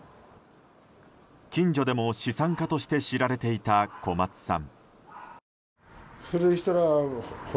近所でも資産家として知られていた小松さん。